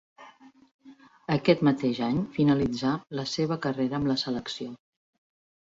Aquest mateix any finalitzà la seva carrera amb la selecció.